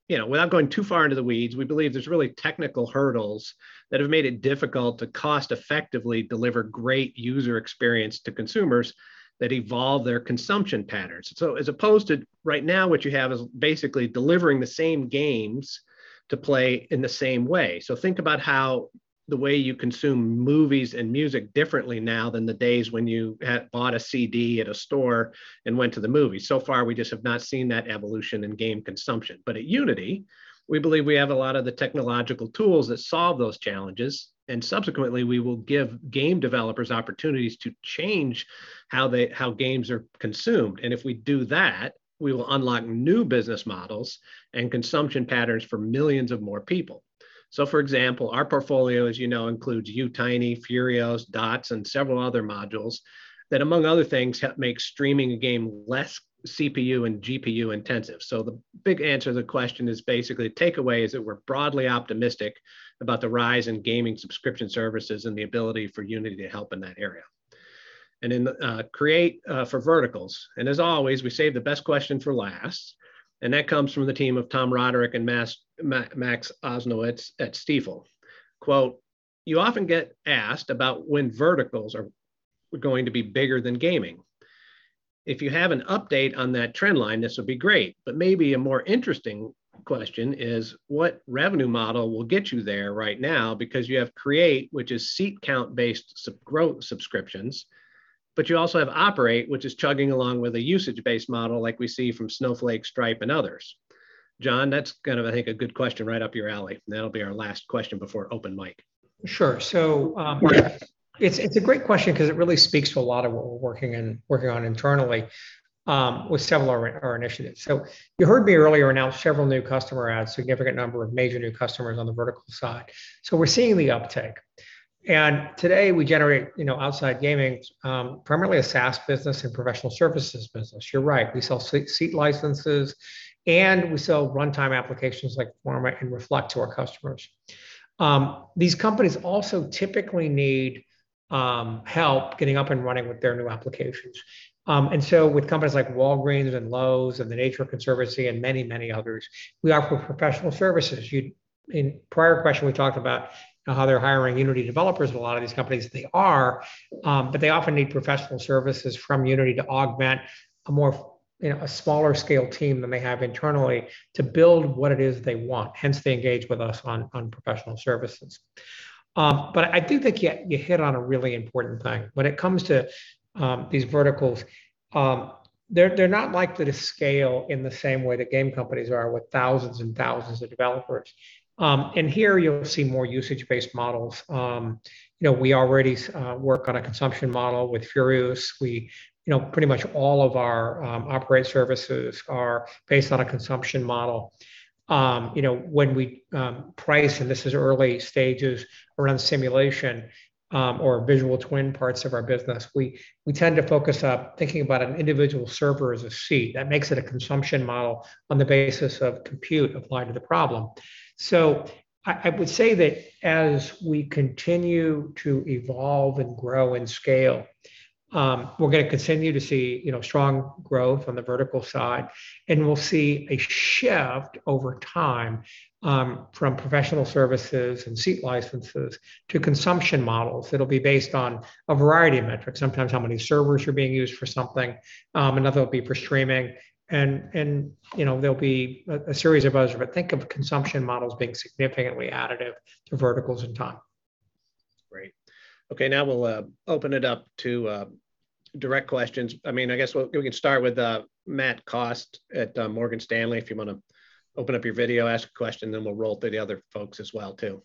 Without going too far into the weeds, we believe there's really technical hurdles that have made it difficult to cost effectively deliver great user experience to consumers that evolve their consumption patterns. As opposed to right now, what you have is basically delivering the same games to play in the same way. Think about how the way you consume movies and music differently now than the days when you bought a CD at a store and went to the movies. Far, we just have not seen that evolution in game consumption. At Unity, we believe we have a lot of the technological tools that solve those challenges, and subsequently, we will give game developers opportunities to change how games are consumed. If we do that, we will unlock new business models and consumption patterns for millions of more people. For example, our portfolio, as you know, includes UTiny, Furioos, DOTS, and several other modules that, among other things, make streaming a game less CPU and GPU intensive. The big answer to the question is basically the takeaway is that we're broadly optimistic about the rise in gaming subscription services and the ability for Unity to help in that area. Create for verticals. As always, we save the best question for last. That comes from the team of Tom Roderick and Max Osnowitz at Stifel. "You often get asked about when verticals are going to be bigger than gaming. If you have an update on that trend line, this would be great. Maybe a more interesting question is what revenue model will get you there right now because you have Create, which is seat count based growth subscriptions, but you also have Operate, which is chugging along with a usage based model like we see from Snowflake, Stripe, and others. John, that's kind of, I think, a good question right up your alley. That'll be our last question before open mic. Sure. It's a great question because it really speaks to a lot of what we're working on internally with several of our initiatives. You heard me earlier announce several new customer adds, significant number of major new customers on the vertical side. We're seeing the uptick. Today we generate outside gaming, primarily a SaaS business and professional services business. You're right. We sell seat licenses and we sell runtime applications like Forma and Reflect to our customers. These companies also typically need help getting up and running with their new applications. With companies like Walgreens and Lowe's and The Nature Conservancy and many others, we offer professional services. In prior question, we talked about how they're hiring Unity developers at a lot of these companies. They are, but they often need professional services from Unity to augment a smaller scale team than they have internally to build what it is they want. Hence, they engage with us on professional services. I do think you hit on a really important thing. When it comes to these verticals, they're not likely to scale in the same way that game companies are with thousands and thousands of developers. Here you'll see more usage-based models. We already work on a consumption model with Furioos. Pretty much all of our Operate services are based on a consumption model. When we price, and this is early stages around simulation or visual twin parts of our business, we tend to focus on thinking about an individual server as a seat. That makes it a consumption model on the basis of compute applied to the problem. I would say that as we continue to evolve and grow and scale, we're going to continue to see strong growth on the vertical side, and we'll see a shift over time from professional services and seat licenses to consumption models that'll be based on a variety of metrics, sometimes how many servers are being used for something, another will be for streaming. There'll be a series of those, but think of consumption models being significantly additive to verticals in time. Great. Okay, now we'll open it up to direct questions. I guess we can start with Matt Cost at Morgan Stanley. If you want to open up your video, ask a question, we'll roll through the other folks as well, too.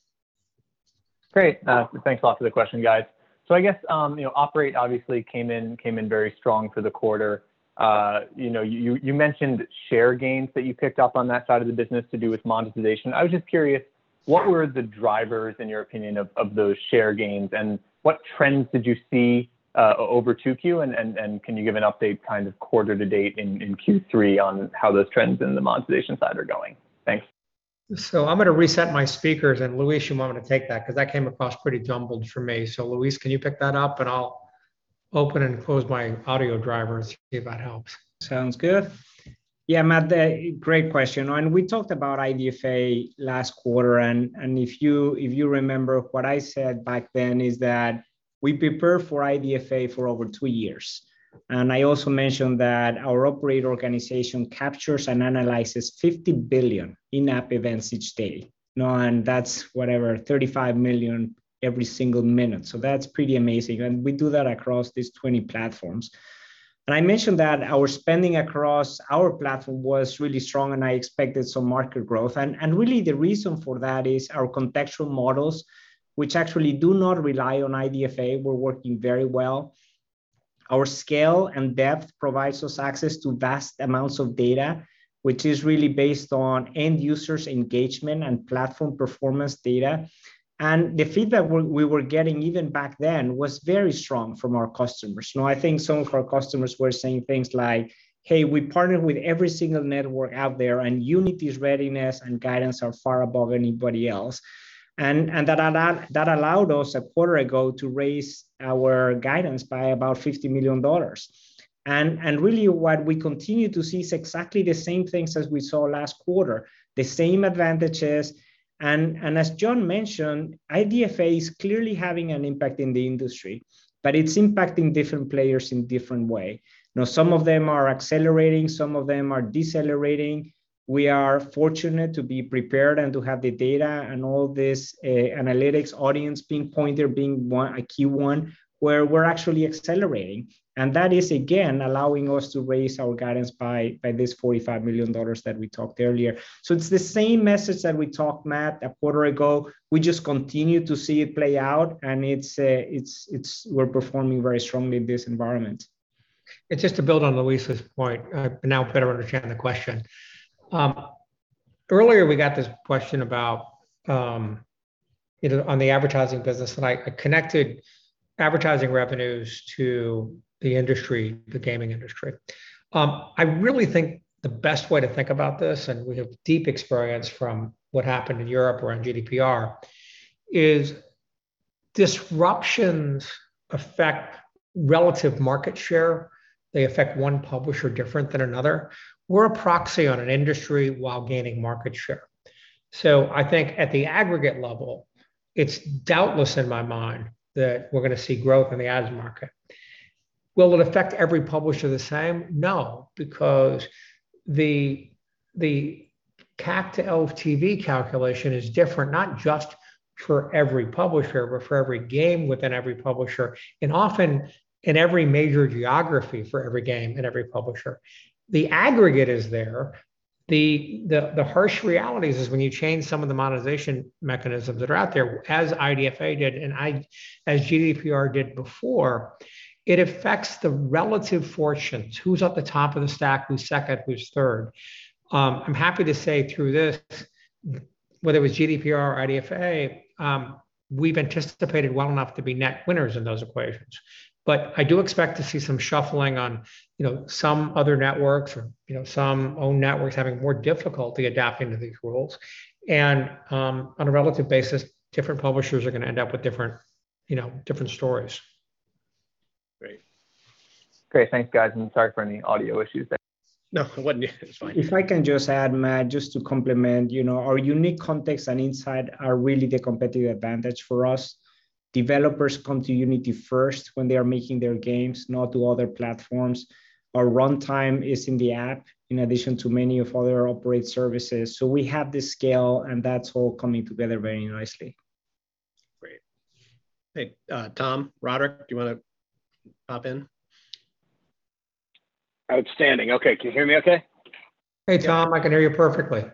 Great. Thanks a lot for the question, guys. I guess, Operate obviously came in very strong for the quarter. You mentioned share gains that you picked up on that side of the business to do with monetization. I was just curious, what were the drivers, in your opinion, of those share gains, and what trends did you see over 2Q, and can you give an update quarter to date in Q3 on how those trends in the monetization side are going? Thanks. I'm going to reset my speakers, and Luis, you might want to take that, because that came across pretty jumbled for me. Luis, can you pick that up, and I'll open and close my audio drivers, see if that helps. Sounds good. Yeah, Matt, great question. We talked about IDFA last quarter, and if you remember, what I said back then is that we prepared for IDFA for over two years. I also mentioned that our Operate Solutions organization captures and analyzes 50 billion in-app events each day. That's 35 million every single minute, that's pretty amazing. We do that across these 20 platforms. I mentioned that our spending across our platform was really strong, and I expected some market growth. Really the reason for that is our contextual models, which actually do not rely on IDFA, were working very well. Our scale and depth provides us access to vast amounts of data, which is really based on end users' engagement and platform performance data. The feedback we were getting, even back then, was very strong from our customers. I think some of our customers were saying things like, "Hey, we partnered with every single network out there, and Unity's readiness and guidance are far above anybody else." That allowed us a quarter ago to raise our guidance by about $50 million. Really what we continue to see is exactly the same things as we saw last quarter, the same advantages. As John mentioned, IDFA is clearly having an impact in the industry, but it's impacting different players in different way. Some of them are accelerating, some of them are decelerating. We are fortunate to be prepared and to have the data and all this analytics Audience Pinpointer there being a Q1 where we're actually accelerating. That is, again, allowing us to raise our guidance by this $45 million that we talked earlier. It's the same message that we talked, Matt, a quarter ago. We just continue to see it play out, and we're performing very strongly in this environment. Just to build on Luis' point, I now better understand the question. Earlier, we got this question about on the advertising business, and I connected advertising revenues to the industry, the gaming industry. I really think the best way to think about this, and we have deep experience from what happened in Europe around GDPR, is disruptions affect relative market share. They affect one publisher different than another. We're a proxy on an industry while gaining market share. I think at the aggregate level, it's doubtless in my mind that we're going to see growth in the ads market. Will it affect every publisher the same? No, because the CAC to LTV calculation is different, not just for every publisher, but for every game within every publisher, and often in every major geography for every game and every publisher. The aggregate is there. The harsh reality is when you change some of the monetization mechanisms that are out there, as IDFA did, as GDPR did before, it affects the relative fortunes, who's at the top of the stack, who's second, who's third. I'm happy to say through this, whether it was GDPR or IDFA, we've anticipated well enough to be net winners in those equations. I do expect to see some shuffling on some other networks or some own networks having more difficulty adapting to these rules, and on a relative basis, different publishers are going to end up with different stories. Great. Great. Thanks, guys, and sorry for any audio issues there. No, it's fine. If I can just add, Matt, just to complement, our unique context and insight are really the competitive advantage for us. Developers come to Unity first when they are making their games, not to other platforms. Our runtime is in the app, in addition to many of other Operate Solutions. We have this scale, and that's all coming together very nicely. Hey, Tom Roderick, do you want to pop in? Outstanding. Okay. Can you hear me okay? Hey, Tom. I can hear you perfectly.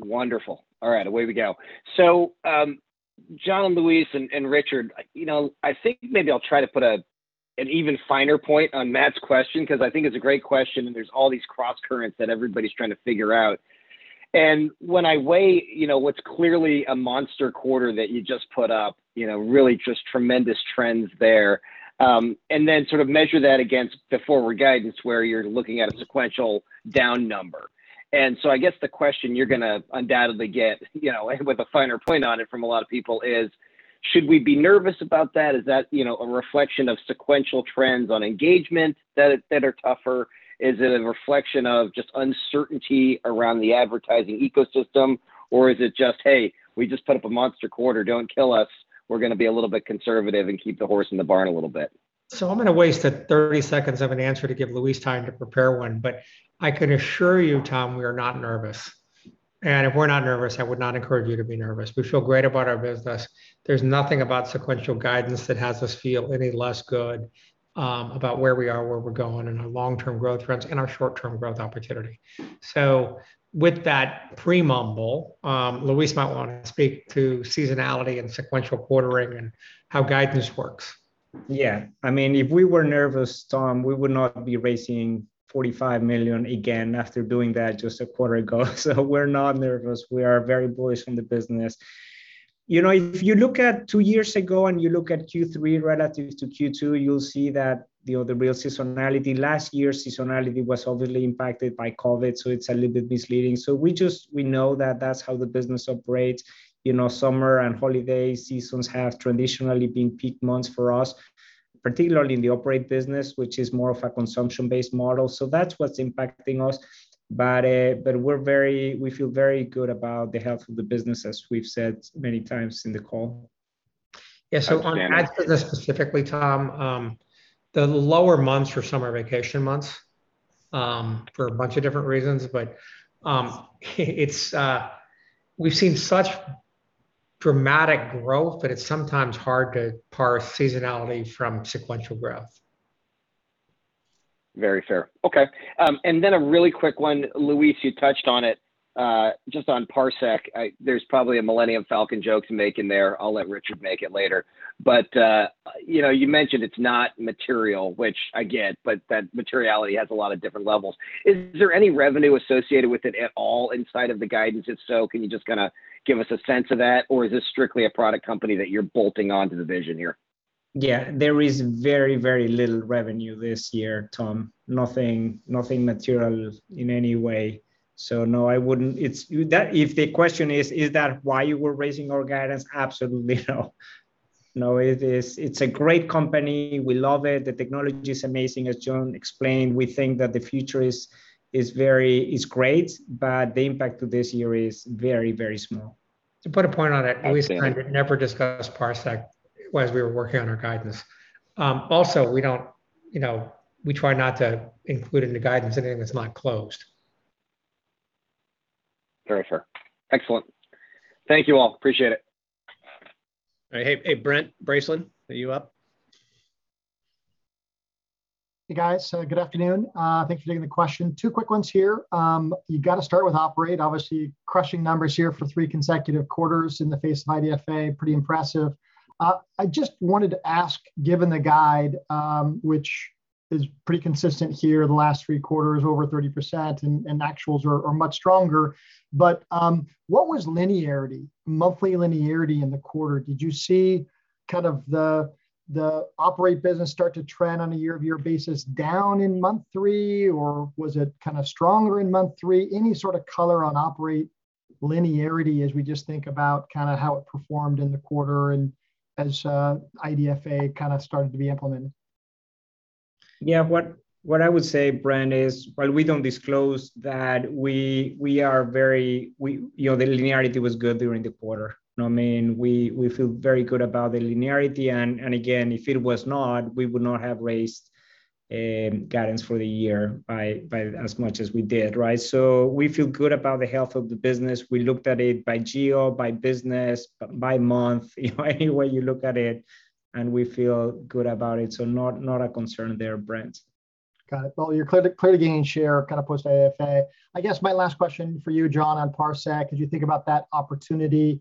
Wonderful. All right, away we go. John, Luis, and Richard, I think maybe I'll try to put an even finer point on Matt's question, because I think it's a great question, and there's all these crosscurrents that everybody's trying to figure out. When I weigh what's clearly a monster quarter that you just put up, really just tremendous trends there, and then sort of measure that against the forward guidance where you're looking at a sequential down number. I guess the question you're going to undoubtedly get, with a finer point on it from a lot of people is: Should we be nervous about that? Is that a reflection of sequential trends on engagement that are tougher? Is it a reflection of just uncertainty around the advertising ecosystem? Or is it just, "Hey, we just put up a monster quarter. Don't kill us. We're going to be a little bit conservative and keep the horse in the barn a little bit. I'm going to waste 30 seconds of an answer to give Luis time to prepare one, but I can assure you, Tom, we are not nervous. If we're not nervous, I would not encourage you to be nervous. We feel great about our business. There's nothing about sequential guidance that has us feel any less good about where we are, where we're going, and our long-term growth trends and our short-term growth opportunity. With that pre-mumble, Luis might want to speak to seasonality and sequential quartering and how guidance works. If we were nervous, Tom, we would not be raising $45 million again after doing that just a quarter ago. We're not nervous. We are very bullish on the business. If you look at two years ago and you look at Q3 relative to Q2, you'll see that the other real seasonality, last year's seasonality was overly impacted by COVID, it's a little bit misleading. We know that that's how the business operates. Summer and holiday seasons have traditionally been peak months for us, particularly in the Operate business, which is more of a consumption-based model. That's what's impacting us. We feel very good about the health of the business, as we've said many times in the call. Outstanding. Yeah. On that specifically, Tom, the lower months for summer vacation months, for a bunch of different reasons, but we've seen such dramatic growth that it's sometimes hard to parse seasonality from sequential growth. Very fair. Okay. A really quick one. Luis, you touched on it, just on Parsec. There's probably a Millennium Falcon joke to make in there. I'll let Richard make it later. You mentioned it's not material, which I get, but that materiality has a lot of different levels. Is there any revenue associated with it at all inside of the guidance? If so, can you just give us a sense of that? Or is this strictly a product company that you're bolting onto the vision here? Yeah. There is very little revenue this year, Tom. Nothing material in any way. No, I wouldn't. If the question is that why you were raising our guidance? Absolutely no. No, it's a great company. We love it. The technology's amazing, as John explained. We think that the future is great, but the impact to this year is very small. To put a point on it, Luis and I never discussed Parsec once we were working on our guidance. We try not to include in the guidance anything that's not closed. Very fair. Excellent. Thank you all. Appreciate it. All right. Hey, Brent Bracelin, are you up? Hey, guys. Good afternoon. Thanks for taking the question. Two quick ones here. You got to start with Operate. Obviously, crushing numbers here for three consecutive quarters in the face of IDFA, pretty impressive. I just wanted to ask, given the guide, which is pretty consistent here the last three quarters, over 30%, and actuals are much stronger, but what was monthly linearity in the quarter? Did you see the Operate business start to trend on a year-over-year basis down in month three, or was it kind of stronger in month three? Any sort of color on Operate linearity as we just think about how it performed in the quarter and as IDFA started to be implemented? Yeah. What I would say, Brent, is while we don't disclose that, the linearity was good during the quarter. We feel very good about the linearity, and again, if it was not, we would not have raised guidance for the year by as much as we did, right? We feel good about the health of the business. We looked at it by geo, by business, by month, any way you look at it, and we feel good about it. Not a concern there, Brent. Got it. Well, you're clearly gaining share post-IDFA. I guess my last question for you, John, on Parsec, as you think about that opportunity,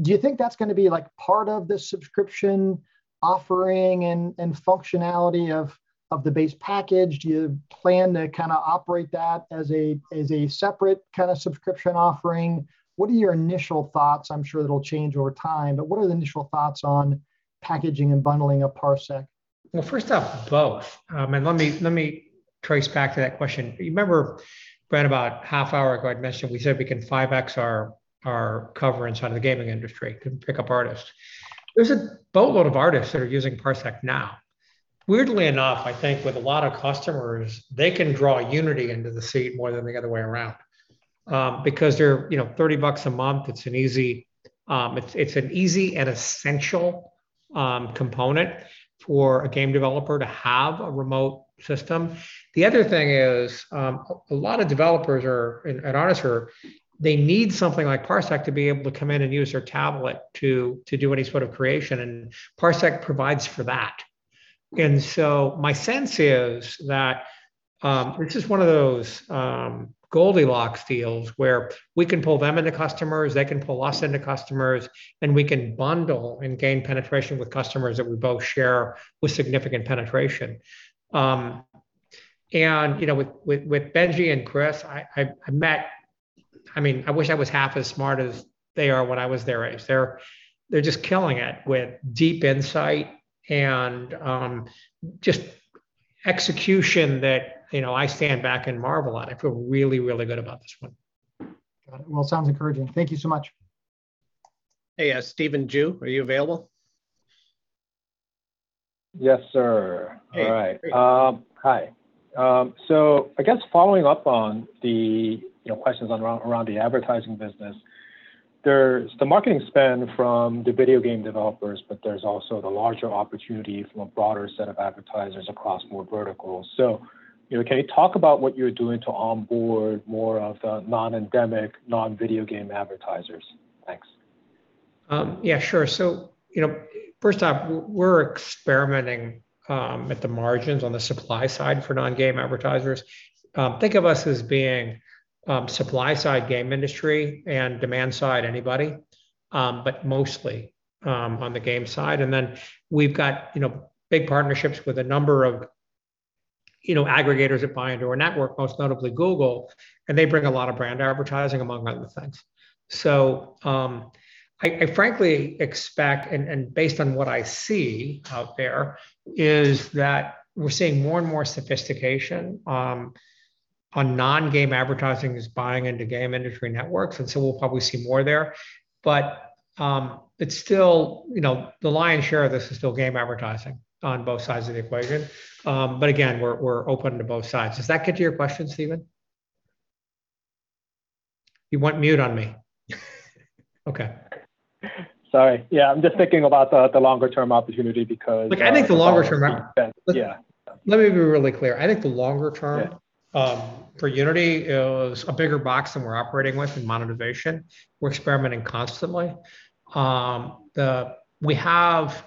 do you think that's going to be part of the subscription offering and functionality of the base package? Do you plan to operate that as a separate kind of subscription offering? What are your initial thoughts? I'm sure it'll change over time, but what are the initial thoughts on packaging and bundling of Parsec? Well, first off, both. Let me trace back to that question. You remember, Brent, about a half hour ago, I'd mentioned we said we can 5x our coverage out of the gaming industry, can pick up artists. There's a boatload of artists that are using Parsec now. Weirdly enough, I think with a lot of customers, they can draw Unity into the seat more than the other way around. They're $30 a month, it's an easy and essential component for a game developer to have a remote system. The other thing is, a lot of developers and artists, they need something like Parsec to be able to come in and use their tablet to do any sort of creation, and Parsec provides for that. My sense is that it's just one of those Goldilocks fields where we can pull them into customers, they can pull us into customers, and we can bundle and gain penetration with customers that we both share with significant penetration. With Benjy and Chris, I wish I was half as smart as they are when I was their age. They're just killing it with deep insight and just execution that I stand back and marvel at. I feel really, really good about this one. Got it. Well, sounds encouraging. Thank you so much. Hey, Stephen Ju, are you available? Yes, sir. Hey, great. All right. Hi. I guess following up on the questions around the advertising business, there's the marketing spend from the video game developers, but there's also the larger opportunity from a broader set of advertisers across more verticals. Can you talk about what you're doing to onboard more of the non-endemic, non-video game advertisers? Thanks. Yeah, sure. First off, we're experimenting at the margins on the supply side for non-game advertisers. Think of us as being supply-side game industry and demand-side anybody, but mostly on the game side. Then we've got big partnerships with a number of aggregators that buy into our network, most notably Google, and they bring a lot of brand advertising, among other things. I frankly expect, and based on what I see out there, is that we're seeing more and more sophistication on non-game advertising as buying into game industry networks, and so we'll probably see more there. It's still the lion's share of this is still game advertising on both sides of the equation. Again, we're open to both sides. Does that get to your question, Stephen? You went mute on me. Okay. Sorry. Yeah, I'm just thinking about the longer-term opportunity because- Look, I think the longer term- Yeah let me be really clear. I think the longer term Yeah for Unity is a bigger box than we're operating with in monetization. We're experimenting constantly. We have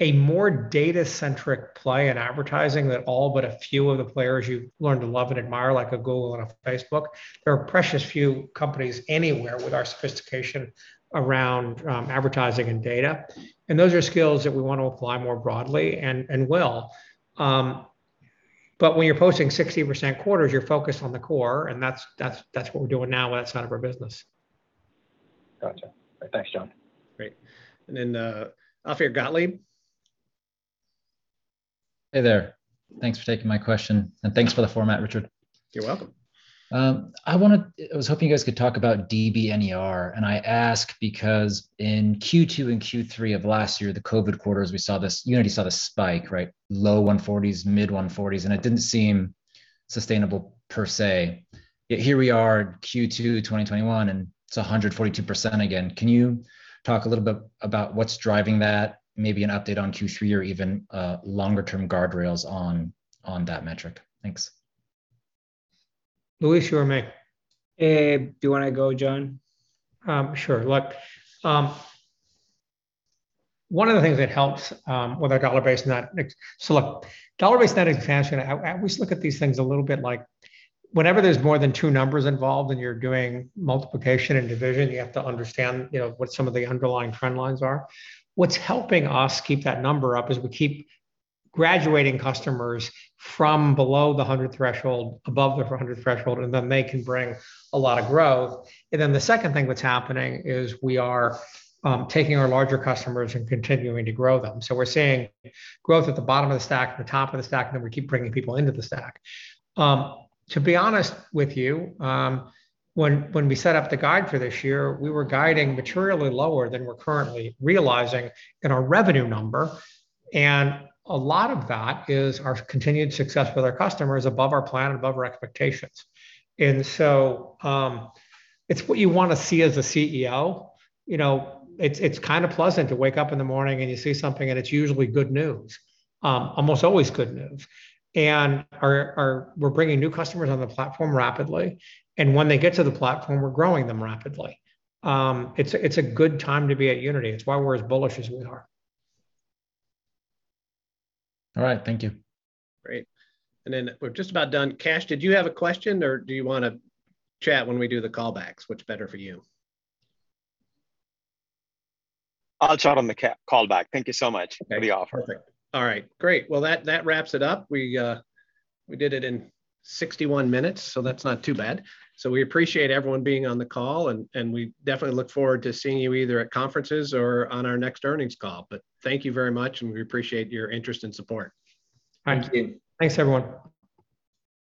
a more data-centric play in advertising than all but a few of the players you've learned to love and admire, like a Google and a Facebook. There are precious few companies anywhere with our sophistication around advertising and data, and those are skills that we want to apply more broadly, and will. When you're posting 60% quarters, you're focused on the core, and that's what we're doing now on that side of our business. Gotcha. Right. Thanks, John. Then Ophir Gottlieb. Hey there. Thanks for taking my question, and thanks for the format, Richard. You're welcome. I was hoping you guys could talk about DBNER. I ask because in Q2 and Q3 of last year, the COVID quarters, we saw this, Unity saw the spike, right? Low 140s, mid 140s, it didn't seem sustainable per se. Here we are, Q2 2021, it's 142% again. Can you talk a little bit about what's driving that? Maybe an update on Q3 or even longer-term guardrails on that metric. Thanks. Luis or me? Do you want to go, John? Look, dollar-based net expansion, I always look at these things a little bit like whenever there's more than two numbers involved and you're doing multiplication and division, you have to understand what some of the underlying trend lines are. What's helping us keep that number up is we keep graduating customers from below the 100 threshold above the 100 threshold, and then they can bring a lot of growth. The second thing that's happening is we are taking our larger customers and continuing to grow them. We're seeing growth at the bottom of the stack, the top of the stack, and then we keep bringing people into the stack. To be honest with you, when we set up the guide for this year, we were guiding materially lower than we're currently realizing in our revenue number, and a lot of that is our continued success with our customers above our plan and above our expectations. It's what you want to see as a CEO. It's kind of pleasant to wake up in the morning and you see something and it's usually good news. Almost always good news. We're bringing new customers on the platform rapidly, and when they get to the platform, we're growing them rapidly. It's a good time to be at Unity. It's why we're as bullish as we are. All right. Thank you. Great. We're just about done. Kash, did you have a question or do you want to chat when we do the callbacks? Which is better for you? I'll chat on the callback. Thank you so much for the offer. Perfect. All right. Great. Well, that wraps it up. We did it in 61 minutes, so that's not too bad. We appreciate everyone being on the call, and we definitely look forward to seeing you either at conferences or on our next earnings call. Thank you very much, and we appreciate your interest and support. Thanks again. Thanks, everyone.